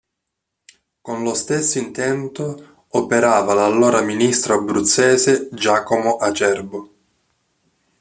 Con lo stesso intento operava l'allora ministro abruzzese Giacomo Acerbo.